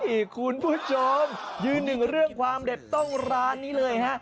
นี่คุณผู้ชมยืนหนึ่งเรื่องความเด็ดต้องร้านนี้เลยฮะ